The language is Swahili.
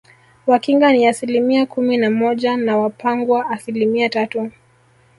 Wakinga ni asilimia kumi na moja na Wapangwa asilimia tatu